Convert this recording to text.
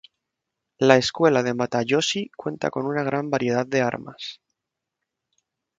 La escuela de Matayoshi cuenta con una gran variedad de armas.